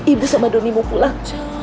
ibu sama doni mau pulang